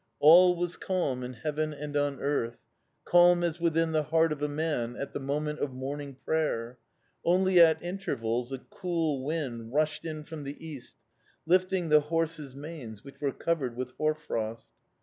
All was calm in heaven and on earth, calm as within the heart of a man at the moment of morning prayer; only at intervals a cool wind rushed in from the east, lifting the horses' manes which were covered with hoar frost.